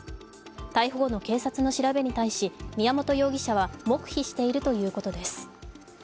逮捕後の警察の調べに対し、宮本容疑者は黙秘しているということです。